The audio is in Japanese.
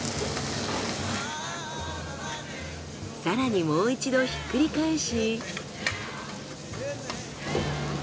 更にもう一度ひっくり返し。